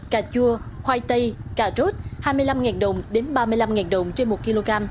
cà chua khoai tây cà rốt hai mươi năm đồng đến ba mươi năm đồng trên một kg